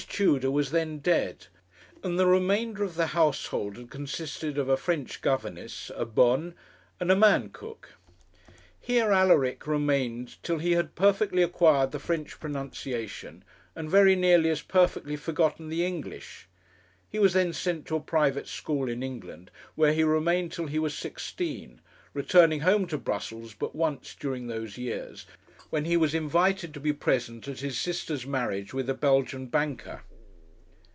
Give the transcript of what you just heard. Tudor was then dead, and the remainder of the household had consisted of a French governess, a bonne, and a man cook. Here Alaric remained till he had perfectly acquired the French pronunciation, and very nearly as perfectly forgotten the English. He was then sent to a private school in England, where he remained till he was sixteen, returning home to Brussels but once during those years, when he was invited to be present at his sister's marriage with a Belgian banker.